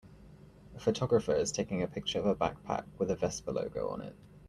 A photographer is taking a picture of a backpack with a Vespa logo on it.